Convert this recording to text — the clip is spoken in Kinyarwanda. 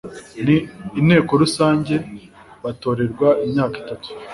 n inteko rusange batorerwa imyaka itatu